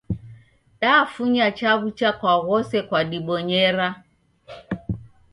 Dafunya chaw'ucha kwa ghose kwadibonyera.